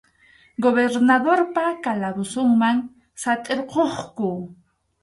Gobernadorpa calabozonman satʼirquqku.